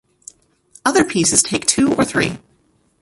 Other pieces take two or three.